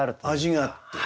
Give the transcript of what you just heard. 味があって。